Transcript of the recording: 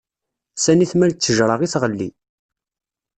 Sani tmal ttejṛa i tɣelli.